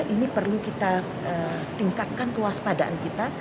ini perlu kita tingkatkan kewaspadaan kita